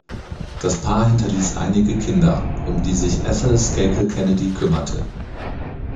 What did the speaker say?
Das Paar hinterließ einige Kinder, um die sich Ethel Skakel-Kennedy kümmerte.